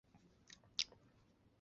尾张国井关城城主。